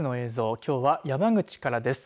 きょうは山口からです。